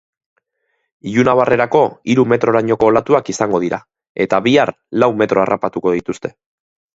Ilunabarrerako hiru metrorainoko olatuak izango dira eta bihar lau metro harrapatuko dituzte.